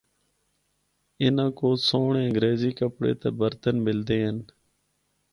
اناں تو سہنڑے انگریزی کپڑے تے برتن ملدے ہن۔